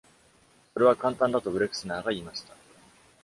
それは簡単だとブレクスナーが言いました。